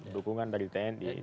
dukungan dari tni